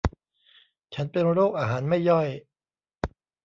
ฉันเป็นโรคอาหารไม่ย่อย